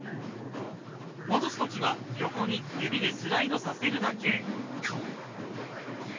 戻す時は横に指でスライドさせるだけ。